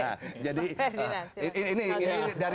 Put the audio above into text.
pak ferdinand silakan